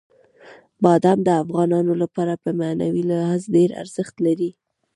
بادام د افغانانو لپاره په معنوي لحاظ ډېر ارزښت لري.